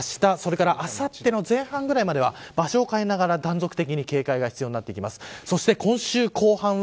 この大雨なんですけど九州あした、それからあさっての前半ぐらいまでは場所を変えながら断続的に警戒が必要になってきます。